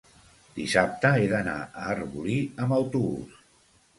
dissabte he d'anar a Arbolí amb autobús.